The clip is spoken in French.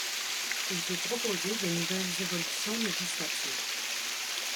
Il peut proposer de nouvelles évolutions législatives.